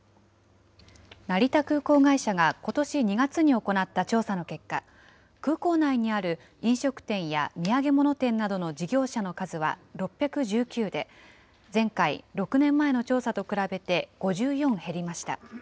成田空港会社がことし２月に行った調査の結果、空港内にある飲食店や土産物店などの事業者の数は６１９で、前回・６年前の調査と比べて５４減りました。